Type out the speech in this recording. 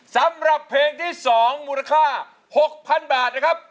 สำหรับเพลงที่๒มูลค่า๖๐๐๐บาทนะครับ